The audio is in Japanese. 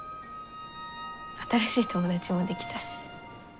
新しい友達もできたし。